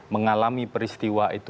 mengalami peristiwa itu